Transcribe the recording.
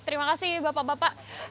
terima kasih bapak bapak